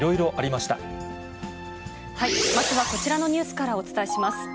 まずはこちらのニュースからお伝えします。